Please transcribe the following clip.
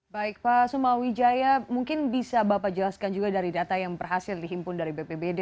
baik pak suma wijaya mungkin bisa bapak jelaskan juga dari data yang berhasil dihimpun dari bpbd